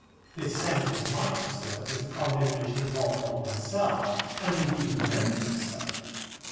This sentence might have served as a condemnation of Walpole himself, and indeed he meant it so.